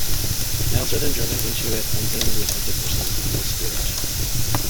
Nails are then driven into it cleansing the afflicted person of the evil spirit.